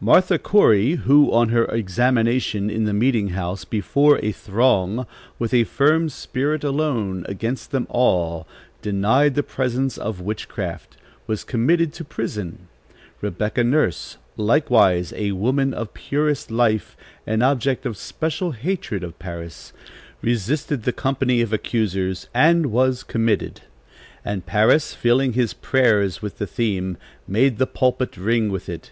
Martha Corey, who, on her examination in the meeting house, before a throng, with a firm spirit, alone, against them all, denied the presence of witchcraft, was committed to prison. Rebecca Nurse, likewise a woman of purest life, an object of special hatred of Parris, resisted the company of accusers, and was committed. And Parris, filling his prayers with the theme, made the pulpit ring with it.